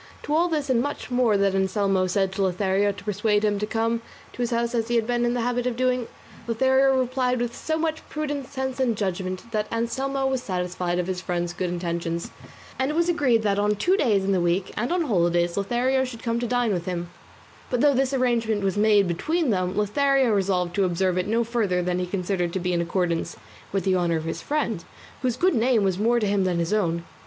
To all this and much more that Anselmo said to Lothario to persuade him to come to his house as he had been in the habit of doing, Lothario replied with so much prudence, sense, and judgment, that Anselmo was satisfied of his friend's good intentions, and it was agreed that on two days in the week, and on holidays, Lothario should come to dine with him; but though this arrangement was made between them Lothario resolved to observe it no further than he considered to be in accordance with the honour of his friend, whose good name was more to him than his own.